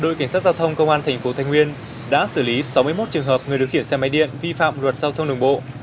đội cảnh sát giao thông công an thành phố thái nguyên đã xử lý sáu mươi một trường hợp người điều khiển xe máy điện vi phạm luật giao thông đường bộ